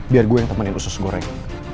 biar gue yang temenin usus goreng